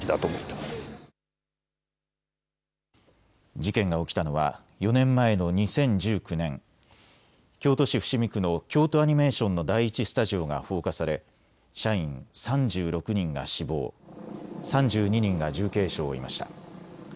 事件が起きたのは４年前の２０１９年、京都市伏見区の京都アニメーションの第１スタジオが放火され社員３６人が死亡、３２人が重軽傷を負いました。